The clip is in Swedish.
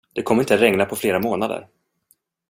Det kommer inte att regna på flera månader.